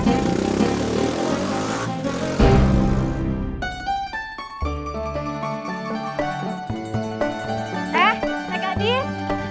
eh teh gadis